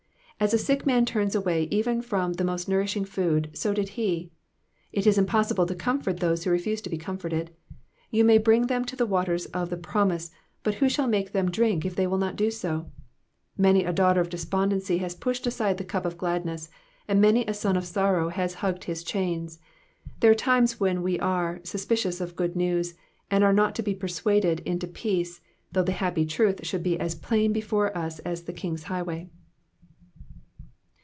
As a sick man turns away even from the most nourishing food, so did he. It is impossible to comfort those who refuse to be comforted. You may bring them to the waters of the Sromise, but who shall muke them drink if they will not do so? Many a aughter of despondency hiis pushed aside the cup of gladness, and many a son of sorrow has hugged his chains. There are times when we are suspicious of good news, and are not to be persuaded into peace, though the happy truth should be as plain before us as the King's highway.